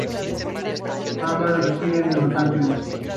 Ambas residen en Los Ángeles.